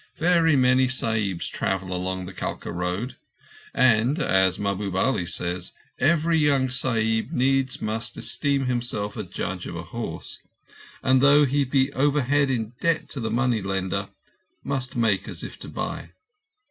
Very many Sahibs travel along the Kalka road; and, as Mahbub Ali says, every young Sahib must needs esteem himself a judge of a horse, and, though he be over head in debt to the money lender, must make as if to buy.